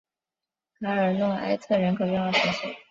卡尔诺埃特人口变化图示